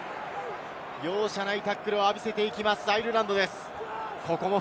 容赦ないタックルを浴びせていきますアイルランドです。